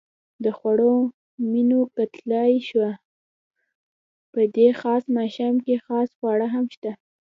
د خوړو منیو کتلای شو؟ په دې خاص ماښام کې خاص خواړه هم شته.